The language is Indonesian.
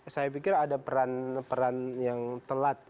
saya pikir ada peran yang telat